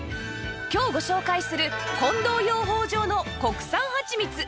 今日ご紹介する近藤養蜂場の国産はちみつ